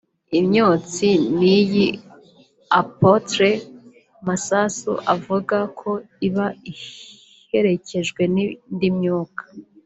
Imyotsi nk'iyi Apotre Masasu avuga ko iba iherekejwe n'indi myuka